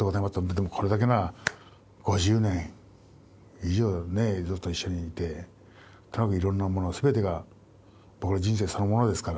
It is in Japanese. でもこれだけな５０年以上ねずっと一緒にいてとにかくいろんなもの全てがぼくの人生そのものですから。